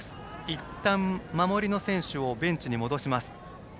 いったん、守りの選手をベンチに戻します。